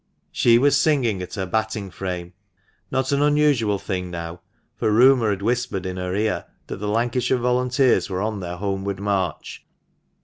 She was singing at her batting frame — not an unusual thing now, for rumour had whispered in her ear that the Lancashire Volunteers were on their homeward march.